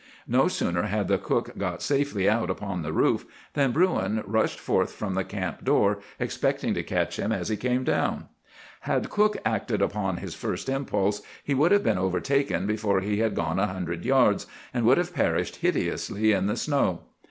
No sooner had the cook got safely out upon the roof than Bruin rushed forth from the camp door, expecting to catch him as he came down. "Had cook acted upon his first impulse, he would have been overtaken before he had gone a hundred yards, and would have perished hideously in the snow.